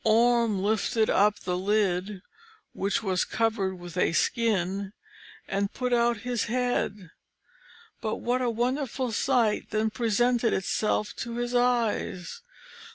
Orm lifted up the lid, which was covered with a skin, and put out his head. But what a wonderful sight then presented itself to his eyes!